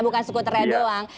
bukan skuternya doang